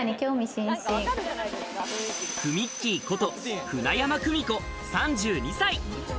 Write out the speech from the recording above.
くみっきーこと舟山久美子３２歳。